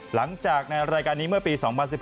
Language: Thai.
หลังจากในรายการนี้เมื่อปี๒๐๑๘